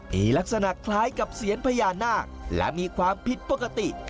มีลักษณะคล้ายกับเซียนพญานาคและมีความผิดปกติ